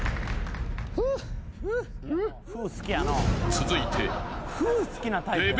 ［続いて］